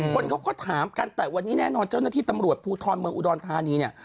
คนเขาก็ถามกันแต่วันนี้แน่นอนเจ้าหน้าที่ตำรวจภูทรเมืองอุดรธานีเนี่ย